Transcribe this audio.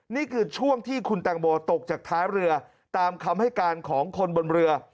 นี่คือช่วงที่คุณแตงโมตกจากท้ายเรือตามคำให้การของคนบนเรือ